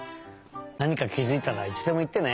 なにかきづいたらいつでもいってね！